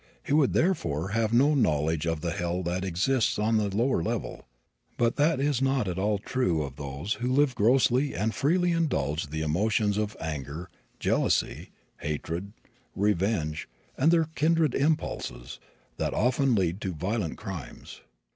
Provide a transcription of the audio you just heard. He would therefore have no knowledge of the hell that exists on the lower level. But that is not at all true of those who live grossly and freely indulge the emotions of anger, jealousy, hatred, revenge, and their kindred impulses, that often lead to violent crimes.